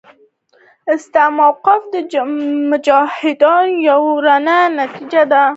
ستا موقف د مجاهدو یوه رڼه نتیجه ده.